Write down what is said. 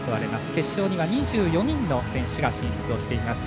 決勝には２４人の選手が進出しています。